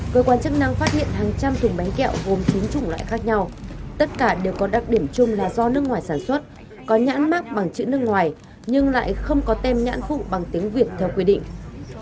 cơ quan chức năng phát hiện hàng trăm thùng bánh kẹo gồm chín chủng loại khác nhau tất cả đều có đặc điểm chung là do nước ngoài sản xuất có nhãn mắc bằng chữ nước ngoài nhưng lại không có tem nhãn phụ bằng tiếng việt theo quy định